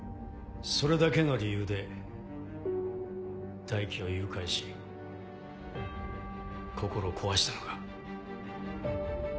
それだけの理由で大樹を誘拐し心を壊したのか？